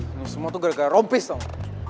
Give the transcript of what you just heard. ini semua tuh gara gara rompis dong